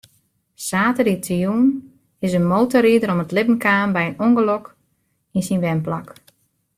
Saterdeitejûn is in motorrider om it libben kaam by in ûngelok yn syn wenplak.